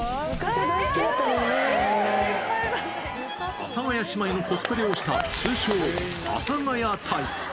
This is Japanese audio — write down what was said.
阿佐ヶ谷姉妹のコスプレをした、通称、阿佐ヶ谷隊。